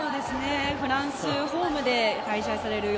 フランスホームで開催されるので。